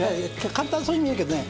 簡単そうに見えるけどね。